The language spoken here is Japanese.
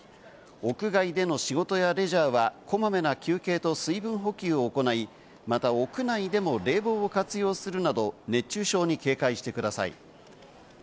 屋外での仕事やレジャーはこまめな休憩と水分補給を行い、また屋内でも冷房を活用するなど、熱中症に警戒してください。